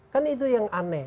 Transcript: kan itu yang aneh